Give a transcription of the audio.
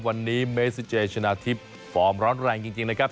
วันนี้เมซิเจชนะทิพย์ฟอร์มร้อนแรงจริงนะครับ